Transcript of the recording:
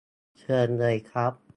เชิญเลยครับ